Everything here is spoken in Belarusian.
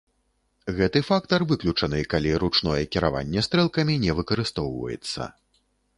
Гэты фактар выключаны, калі ручное кіраванне стрэлкамі не выкарыстоўваецца.